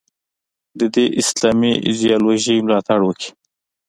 د دې اسلامي ایدیالوژۍ ملاتړ وکړي.